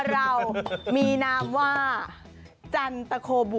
ก็มีแต่จับตะโคลบ